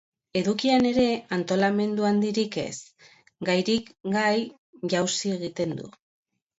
Edukian ere, antolamendu handirik ez: gairik gai jauzi egiten du.